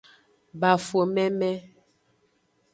Bafo meme.